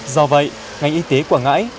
do vậy ngành y tế quảng ngãi